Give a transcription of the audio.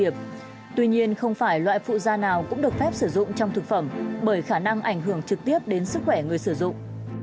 bởi khả năng ảnh hưởng trực tiếp đến sức khỏe người sử dụng